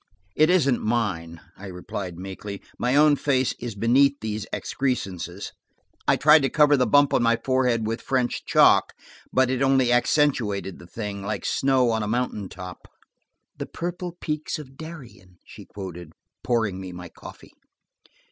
"It isn't mine," I replied meekly. "My own face is beneath these excrescences. I tried to cover the bump on my forehead with French chalk, but it only accentuated the thing, like snow on a mountain top." "'The purple peaks of Darien,'" she quoted, pouring me my coffee.